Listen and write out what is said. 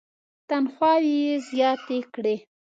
تنخواوې یې زیاتې کړې.